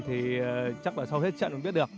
thì chắc là sau hết trận cũng biết được